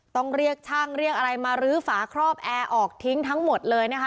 ต้องเรียกช่างเรียกอะไรมาลื้อฝาครอบแอร์ออกทิ้งทั้งหมดเลยนะคะ